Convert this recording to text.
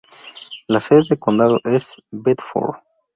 La sede de condado es Bedford.